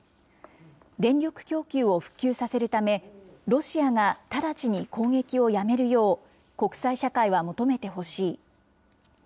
電力供給を復旧させるため、ロシアが直ちに攻撃をやめるよう国際社会は求めてほしい。